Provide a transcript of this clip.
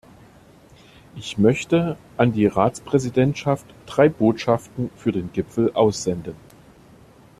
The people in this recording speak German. Ich möchte an die Ratspräsidentschaft drei Botschaften für den Gipfel aussenden.